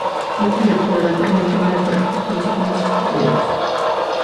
No publicó nada, pero mantuvo una correspondencia con otros botánicos.